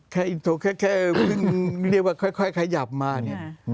แค่อินโทรแค่เรียกว่าค่อยขยับมาเนี่ย